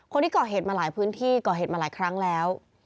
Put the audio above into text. คนที่ก่อเหตุมาหลายพื้นที่ก่อเหตุมาหลายครั้งแล้ว